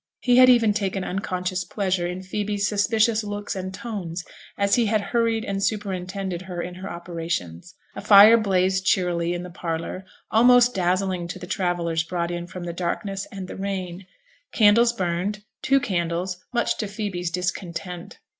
He had even taken unconscious pleasure in Phoebe's suspicious looks and tones, as he had hurried and superintended her in her operations. A fire blazed cheerily in the parlour, almost dazzling to the travellers brought in from the darkness and the rain; candles burned two candles, much to Phoebe's discontent.